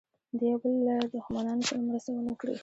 د یوه بل له دښمنانو سره مرسته ونه کړي.